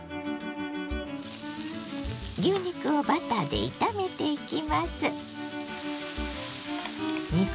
牛肉をバターで炒めていきます。